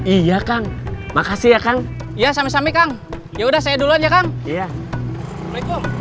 iya kang makasih ya kang iya sami sami kang ya udah saya dulu aja kang waalaikumsalam